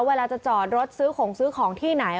เวลาจะจอดรถซื้อของซื้อของที่ไหน